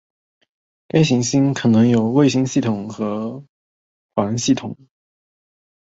该行星可能有卫星系统或环系统。